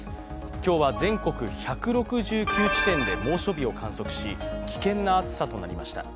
今日は全国１６９地点で猛暑日を観測し危険な暑さとなりました。